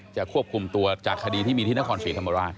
ควบคุมตัวจากคดีที่มีที่นครศรีธรรมราช